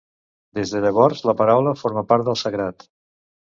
Des de llavors la paraula forma part del sagrat.